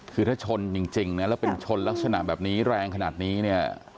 คือถ้าชนจริงนะแล้วเป็นชนลักษณะแบบนี้แรงขนาดนี้เนี่ย